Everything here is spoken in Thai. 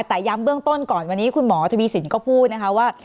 แต่ย้ำเบื้องต้นก่อนวันนี้คุณหมอทวีสินก็พูดนะคะว่า